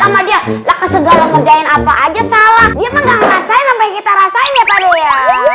sama dia lakukan segala ngerjain apa aja salah dia nggak ngerasain sampai kita rasain ya pada ya